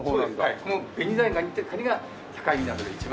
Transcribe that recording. この紅ズワイガニっていうカニが境港で一番。